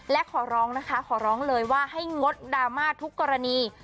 และขอร้องนะคะขอร้องเลยว่าให้งดดราม่าทุกกรณี